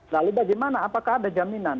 lalu bagaimana apakah ada jaminan